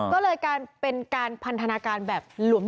ก็เลยเป็นการพันธนาการแบบหลวม